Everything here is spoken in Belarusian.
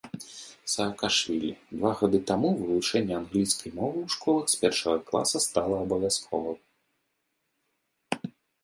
Саакашвілі два гады таму вывучэнне англійскай мовы ў школах з першага класа стала абавязковым.